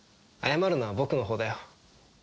謝るのは僕のほうだよ。